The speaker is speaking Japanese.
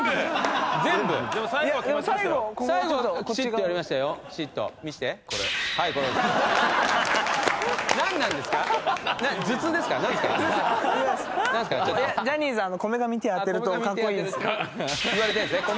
言われてるんですね。